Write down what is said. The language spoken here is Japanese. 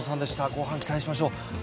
後半、期待しましょう。